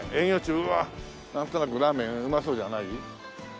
うわっなんとなくラーメンうまそうじゃない？